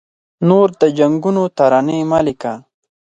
نور د جنګونو ترانې مه لیکه